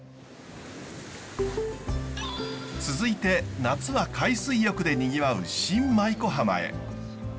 続いて夏は海水浴でにぎわう新舞子浜へ。